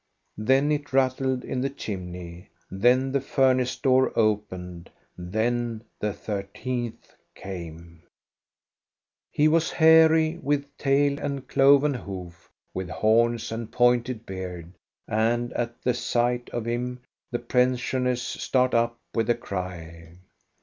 Then it rattled in the chimney, then the furnace door opened, then the thirteenth came. 40 THE STORY OF GOSTA BERUNG He was hairy, with tail and cloven hoof, with horns and a pointed beard, and at the sight of him the pensioners start up with a cry.